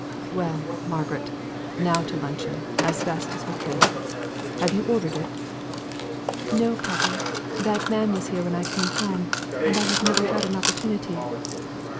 "Well, Margaret, now to luncheon as fast as we can. Have you ordered it?" "No, papa; that man was here when I came home, and I have never had an opportunity."